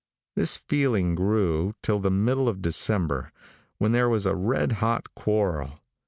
This feeling grew till the middle of December, when there was a red hot quarrel.